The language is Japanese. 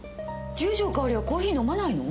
十条かおりはコーヒー飲まないの？